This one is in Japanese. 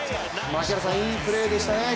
いいプレーでしたね。